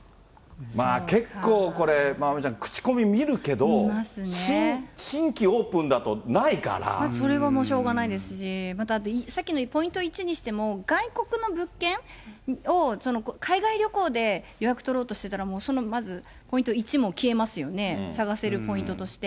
まあ、結構これ、まおみちゃん、口コミ見るけど、それはもうしょうがないですし、また、さっきのポイント１にしても、外国の物件を海外旅行で予約取ろうとしてたら、そのまず、ポイント１も消えますよね、探せるポイントとして。